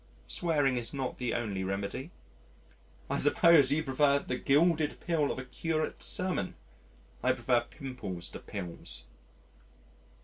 "Swearing is not the only remedy." "I suppose you prefer the gilded pill of a curate's sermon: I prefer pimples to pills."